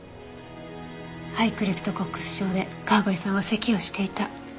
肺クリプトコックス症で川越さんはせきをしていた。